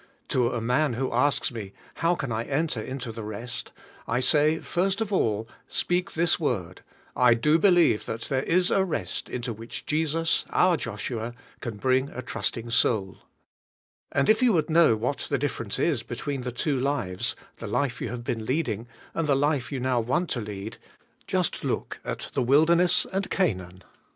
To a man who asks me, "How can I enter into the rest?"' I say, first of all, speak this word, "I do believe that there is a rest into which Jesus, our Joshua, can bring a trusting soul." And if you would know what the difference is between the two lives — the life you have been leading, and the life you now want to lead, just look at the wilderness and Canaan.